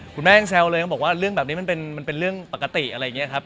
คุณแม่ยังแซวเลยก็บอกว่าเรื่องแบบนี้มันเป็นเรื่องปกติอะไรอย่างนี้ครับ